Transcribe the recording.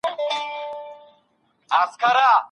اوږد ډنډ د ګڼو خلګو لخوا ړنګیږي.